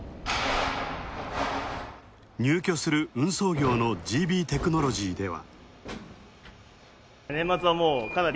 入居する運送業のＧＢテクノロジーでは。